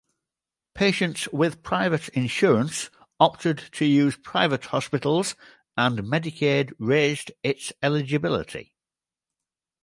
Patients with private insurance opted to use private hospitals and Medicaid raised its eligibility.